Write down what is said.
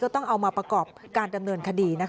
ต้องเอามาประกอบการดำเนินคดี